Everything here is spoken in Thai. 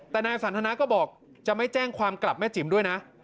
แต่นายสันทนาก็บอกจะไม่แจ้งความกลับแม่จิ๋มด้วยนะ